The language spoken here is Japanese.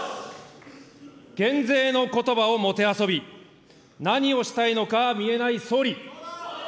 減税のことばをもてあそび、何をしたいのか見えない総理。